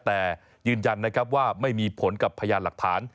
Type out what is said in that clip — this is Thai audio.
แต่ยืนยันนะครับว่าไม่มีผลกับพยานหลักฐาน